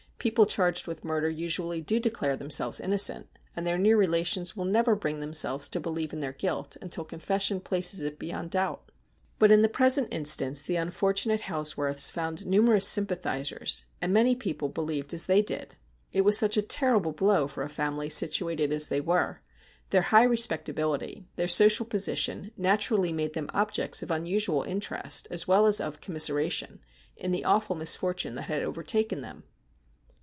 People charged with murder usually do declare themselves innocent, and their near relations will never bring themselves to believe in their guilt until con fession places it beyond doubt. But in the present instance the unfortunate Hailsworths found numerous sympathisers, and many people believed as they did. It was such a terrible blow for a family situated as they were. Their high respect ability, their social position, naturally made them objects of unusual interest, as well as of commiseration, in the awful misfortune that had overtaken them.